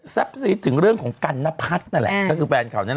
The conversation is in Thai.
ซีดถึงเรื่องของกันนพัฒน์นั่นแหละก็คือแฟนเขานั่นแหละ